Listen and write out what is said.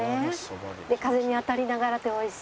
風に当たりながらっておいしいね。